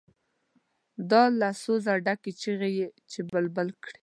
دا له سوزه ډکې چیغې چې بلبل کړي.